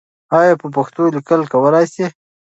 آیا په پښتو لیکل کولای سې؟